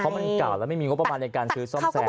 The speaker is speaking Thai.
เพราะมันเก่าแล้วไม่มีงบประมาณในการซื้อซ่อมแซม